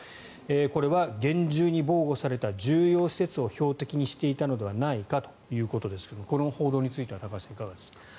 これは厳重に防護された重要施設を標的にしていたのではないかということですがこの報道については高橋さん、どうですか。